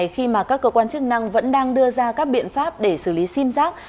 khi mà các cơ quan chức năng vẫn đang đưa ra các biện pháp để xử lý sim giác